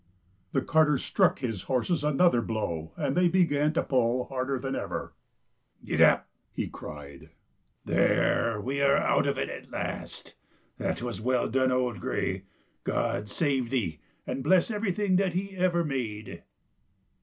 The carter struck his horses another blow, and they began to pull harder than ever. " Get up !" he cried. "There, we are out of it at last. That was well done, old Gray. God save thee, and bless everything that He ever made